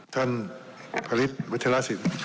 ท่านผลิตวัชฌาสิน